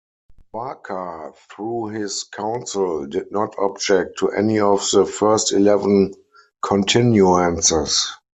Barker, through his counsel, did not object to any of the first eleven continuances.